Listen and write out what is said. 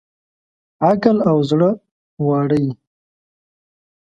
عقل او زړه واړه یې